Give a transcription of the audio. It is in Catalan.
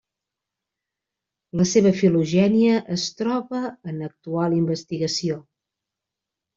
La seva filogènia es troba en actual investigació.